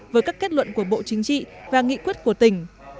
với các kết luận của bộ chính trị và nghị quyết của tỉnh